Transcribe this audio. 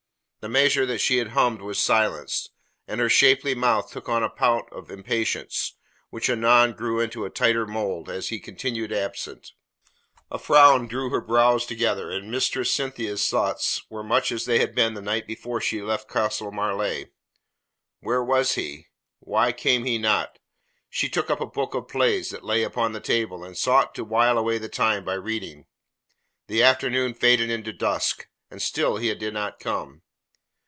The measure that she had hummed was silenced, and her shapely mouth took on a pout of impatience, which anon grew into a tighter mould, as he continued absent. A frown drew her brows together, and Mistress Cynthia's thoughts were much as they had been the night before she left Castle Marleigh. Where was he? Why came he not? She took up a book of plays that lay upon the table, and sought to while away the time by reading. The afternoon faded into dusk, and still he did not come.